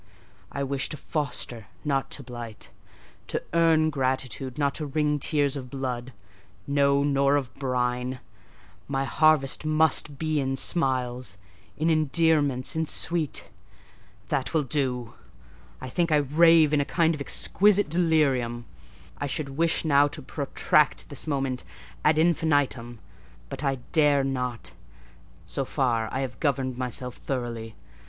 I wish to foster, not to blight—to earn gratitude, not to wring tears of blood—no, nor of brine: my harvest must be in smiles, in endearments, in sweet—That will do. I think I rave in a kind of exquisite delirium. I should wish now to protract this moment ad infinitum; but I dare not. So far I have governed myself thoroughly.